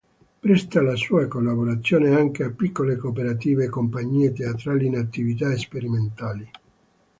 Presta la sua collaborazione anche a piccole cooperative e compagnie teatrali in attività sperimentali.